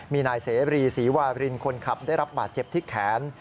มีนายเสรีศรีวารินคนขับได้รับบาดเจ็บที่แขน